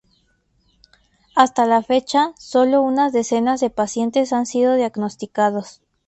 Hasta la fecha, solo unas decenas de pacientes han sido diagnosticados.